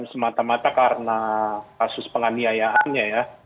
semata mata karena kasus penganiayaannya ya